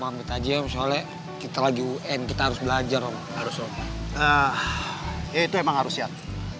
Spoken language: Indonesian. pamit aja ya soalnya kita lagi un kita harus belajar om harus om ya itu emang harus siap